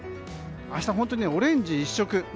明日、本当にオレンジ一色